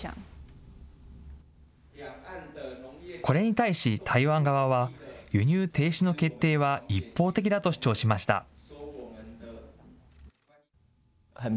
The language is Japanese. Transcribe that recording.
これに対し、台湾側は輸入停止の決定は一方的だと主張しました。